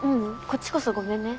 こっちこそごめんね。